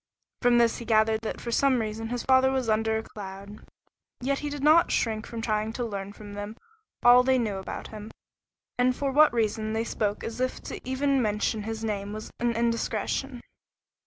From this he gathered that for some reason his father was under a cloud. Yet he did not shrink from trying to learn from them all they knew about him, and for what reason they spoke as if to even mention his name was an indiscretion.